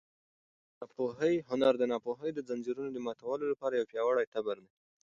هنر د ناپوهۍ د ځنځیرونو د ماتولو لپاره یو پیاوړی تبر دی.